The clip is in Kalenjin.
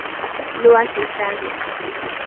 Luu asista akmm